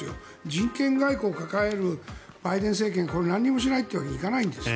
人権外交を掲げるバイデン政権が何もしないわけにはいかないんです。